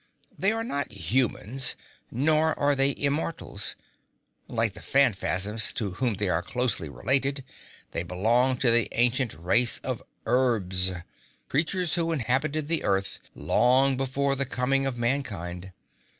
They are not humans, nor are they immortals. Like the Phanfasms, to whom they are closely related, they belong to the ancient race of Erbs creatures who inhabited the Earth long before the coming of mankind.